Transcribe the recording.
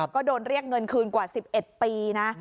ก็โดนเรียกเงินคืนกว่า๑๑ปีนะ